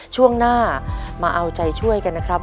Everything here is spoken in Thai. ช่วงหน้ามาเอาใจช่วยกันนะครับ